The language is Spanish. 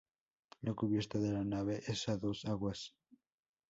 La cubierta de la nave es a dos aguas.